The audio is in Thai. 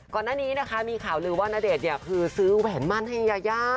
ก่อนหน้านี้มีข่าวลือว่านาเดชซื้อแหวนมันให้ยาย่า